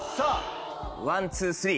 ワンツースリー。